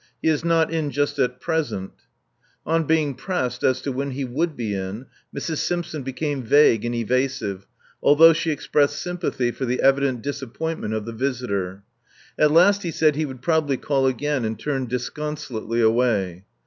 He is not in just at present/* On being pressed as to when he would be in, Mrs. Simpson became vague and evasive, although she expressed sympathy for the evident disappointment of the visitor. At last he said he would probably call again, and turned disconsolately away.